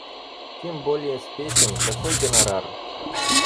Тем более с песен — какой гонорар?!